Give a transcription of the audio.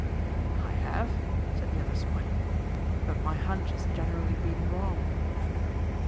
"I have," said the other smiling, "but my hunch has generally been wrong."